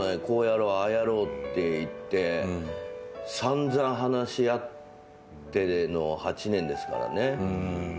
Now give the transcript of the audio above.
こうやろう、ああやろうってさんざん話し合っての８年ですからね。